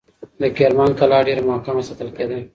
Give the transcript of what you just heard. د کرمان قلعه ډېر محکم ساتل کېده.